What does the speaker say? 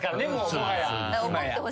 もはや。